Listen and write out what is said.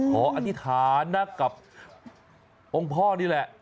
อธิษฐานนะกับองค์พ่อนี่แหละ